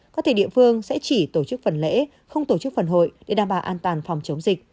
các thể địa phương sẽ chỉ tổ chức phần lễ không tổ chức phần hội để đảm bảo an toàn phòng chống dịch